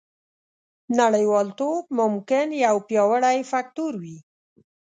نړیوالتوب ممکن یو پیاوړی فکتور وي